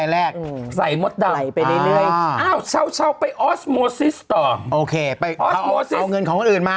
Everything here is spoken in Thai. แรกใส่มดดับไปเรื่อยเอาเช่าไปออสโมซิสต่อโอเคไปเอาเงินของคนอื่นมา